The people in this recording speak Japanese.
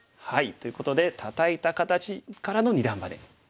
ということでたたいた形からの二段バネ。